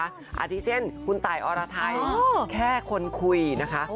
อ่าที่เช่นคุณไติ์ออระไทส์แค่คนคุยนะคะ